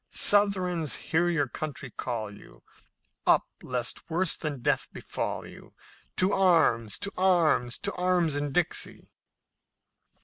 "Southrons hear your country call you; Up, lest worse than death befall you! To arms! To arms! To arms in Dixie!